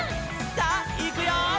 「さあいくよー！」